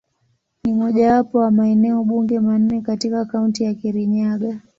Ni mojawapo wa maeneo bunge manne katika Kaunti ya Kirinyaga.